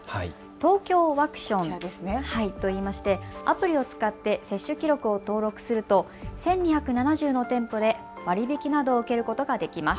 ＴＯＫＹＯワクションといいましてアプリを使って接種記録を登録すると１２７０の店舗で割り引きなどを受けることができます。